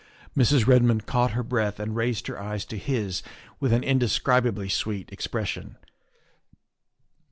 Mrs. Redmond caught her breath and raised her eyes to his with an indescribably sweet expression.